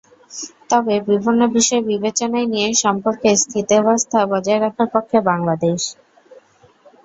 তবে বিভিন্ন বিষয় বিবেচনায় নিয়ে সম্পর্কে স্থিতাবস্থা বজায় রাখার পক্ষে বাংলাদেশ।